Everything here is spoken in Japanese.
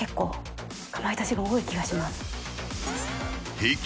平均